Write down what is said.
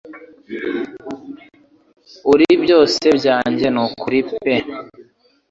Uri byose byanjye. Nukuri pe